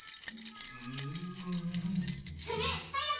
うん。ねえ早く！